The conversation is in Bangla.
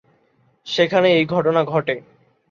সেখানে এই ঘটনা ঘটে।